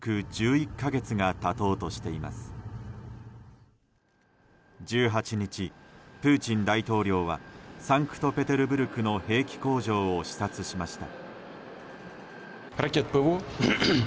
１８日、プーチン大統領はサンクトペテルブルクの兵器工場を視察しました。